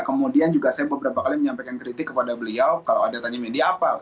kemudian juga saya beberapa kali menyampaikan kritik kepada beliau kalau ada tanya media apa